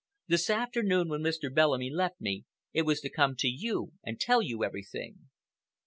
This afternoon when Mr. Bellamy left me, it was to come to you and tell you everything."